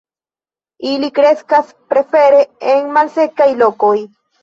Ili kreskas prefere en malsekaj lokoj.